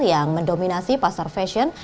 yang mendominasi pasar fashion